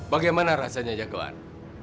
bagaimana rasanya jagoan